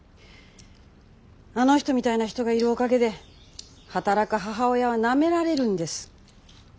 あの人みたいな人がいるおかげで働く母親はなめられるんです。